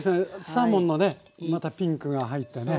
サーモンのねまたピンクが入ってね。